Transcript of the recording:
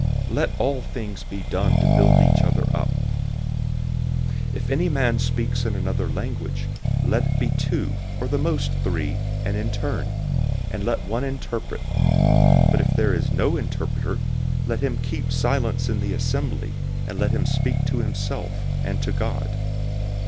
Let all things be done to build each other up. 014:027 If any man speaks in another language, let it be two, or at the most three, and in turn; and let one interpret. 014:028 But if there is no interpreter, let him keep silent in the assembly, and let him speak to himself, and to God.